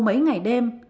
mấy ngày đêm